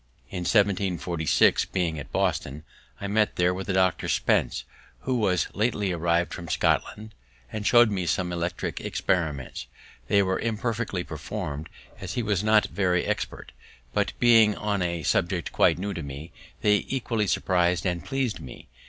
In 1746, being at Boston, I met there with a Dr. Spence, who was lately arrived from Scotland, and show'd me some electric experiments. They were imperfectly perform'd, as he was not very expert; but, being on a subject quite new to me, they equally surpris'd and pleased me.